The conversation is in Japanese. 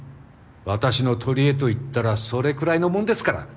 私の取りえといったらそれくらいのもんですから。